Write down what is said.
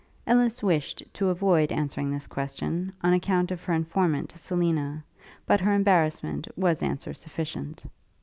Ellis wished to avoid answering this question, on account of her informant, Selina; but her embarrassment was answer sufficient.